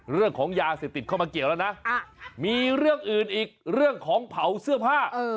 เรื่องของยาเสพติดเข้ามาเกี่ยวแล้วนะมีเรื่องอื่นอีกเรื่องของเผาเสื้อผ้า